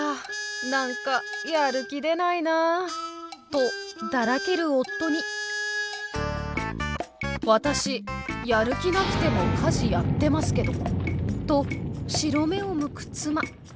とだらける夫に「私やる気なくても家事やってますけど」と白目をむく妻。